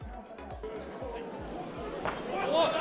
おい！